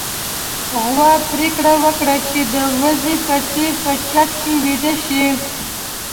غوا پرېکړه وکړه چې د وزې په څېر په چت کې ويده شي.